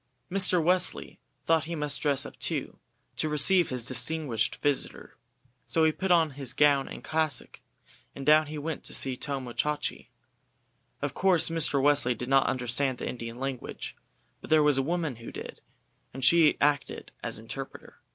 Mr. Wesley thought he must dress up too, to receive his distinguished visitor, so he put on his gown and cassock, and down he went to see Tomo Chachi. Of course Mr. Wesley did not understand the Indian language, but there was a woman who did, and she acted as interpreter.